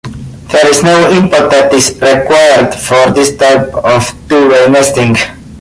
There is no input that is required for this type of two-way nesting.